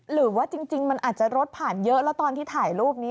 หรือว่าจริงมันอาจจะรถผ่านเยอะแล้วตอนที่ถ่ายรูปนี้